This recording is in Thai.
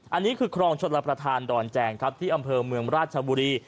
อันนี้คือครองชนรับประทานดอนแจงครับที่อำเภอเมืองราชบุรี